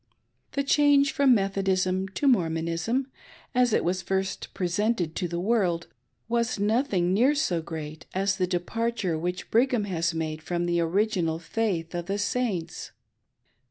The change from Methodism to Mormonism, as it was first presented to the world, was nothing near so great as the departure which Brigha,m has made from the original faith of the Saints.